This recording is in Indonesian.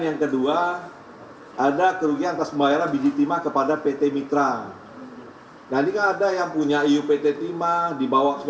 yang kedua ada kerugian atas pembayaran biji timah kepada pt mitra staff yang punya iupt lima dibawah keselektif swasta kepada pt mitra